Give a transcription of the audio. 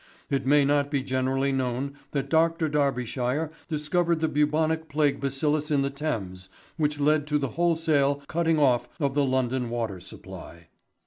It may not be generally known that Dr. Darbyshire discovered the bubonic plague bacillus in the Thames which led to the wholesale cutting off of the London Water Supply.